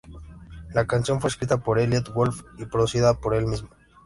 La canción fue escrita por Eliot Wolff, y producida por el mismo.